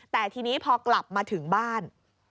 แต่ทีนี้พอกลับมาถึงบ้าน